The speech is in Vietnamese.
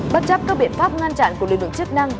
bất chấp các biện pháp ngăn chặn của lực lượng chức năng